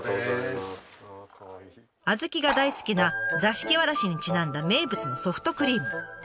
小豆が大好きな座敷わらしにちなんだ名物のソフトクリーム。